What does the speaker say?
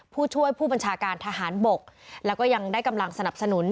ผู้ช่วยผู้บัญชาการทหารบกแล้วก็ยังได้กำลังสนับสนุน